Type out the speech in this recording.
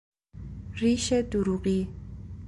ریش دروغی